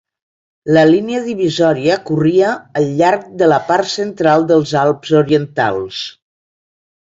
La línia divisòria corria al llarg de la part central dels Alps orientals.